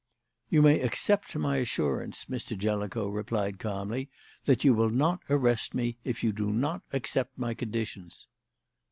"You may accept my assurance," Mr. Jellicoe replied calmly, "that you will not arrest me if you do not accept my conditions."